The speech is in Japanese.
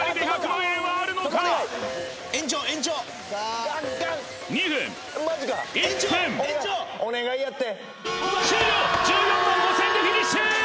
１４万５０００円でフィニッシュー！